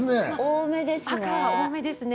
多めですね。